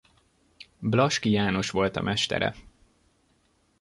Blaski János volt a mestere.